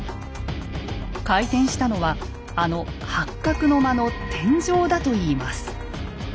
回転したのはあの八角の間の「天井」だといいます。